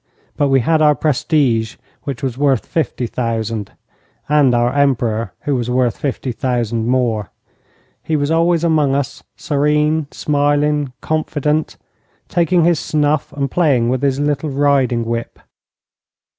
But we had our prestige, which was worth fifty thousand, and our Emperor, who was worth fifty thousand more. He was always among us, serene, smiling, confident, taking his snuff and playing with his little riding whip.